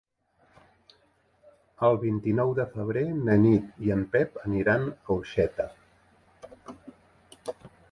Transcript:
El vint-i-nou de febrer na Nit i en Pep aniran a Orxeta.